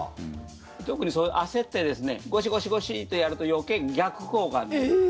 特に焦ってゴシゴシとやると余計、逆効果になる。